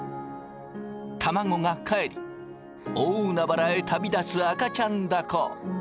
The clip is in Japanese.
卵がかえり大海原へ旅立つ赤ちゃんだこ。